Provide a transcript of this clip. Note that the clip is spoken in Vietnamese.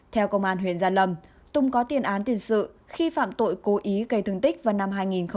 theo công an huyện gia lâm tùng có tiền án tiền sự khi phạm tội cố ý gây thương tích vào năm hai nghìn một mươi